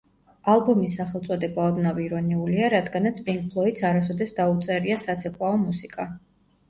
ალბომის სახელწოდება ოდნავ ირონიულია, რადგანაც პინკ ფლოიდს არასოდეს დაუწერია საცეკვაო მუსიკა.